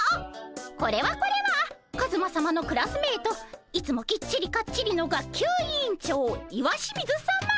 これはこれはカズマさまのクラスメートいつもきっちりかっちりの学級委員長石清水さま。